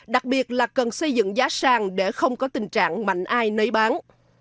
đặc biệt là cần xây dựng giá sàng để không có tình trạng mạnh ai nấy bán